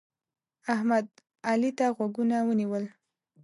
احمد؛ علي ته غوږونه ونیول.